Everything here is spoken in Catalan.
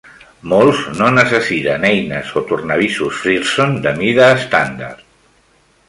Molts no necessiten eines o tornavisos Frearson de mida estàndard.